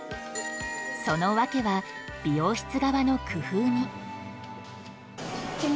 その訳は、美容室側の工夫に。